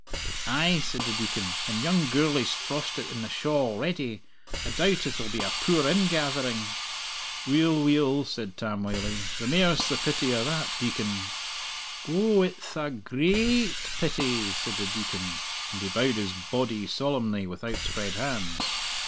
"Ay," said the Deacon, "and young Gourlay's frostit in the shaw already. I doubt it'll be a poor ingathering." "Weel, weel," said Tam Wylie, "the mair's the pity o' that, Deacon." "Oh, it'th a grai ait pity," said the Deacon, and he bowed his body solemnly with outspread hands.